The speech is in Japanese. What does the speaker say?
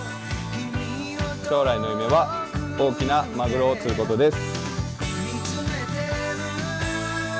将来の夢は、大きなまぐろを釣ることです。